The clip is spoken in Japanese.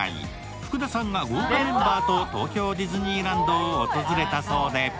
福田さんが豪華メンバーと東京ディズニーランドを訪れたそうで。